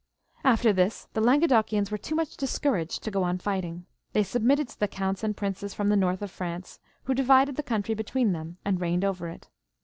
v.. After this the Languedocians were too much discou raged to go on fighting ; they submitted to the counts and princes ficom the north of France, who divided the country between them and reigned over it.